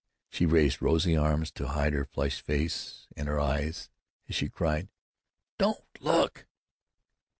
She raised rosy arms to hide her flushed face and her eyes, as she cried: "Don't look!"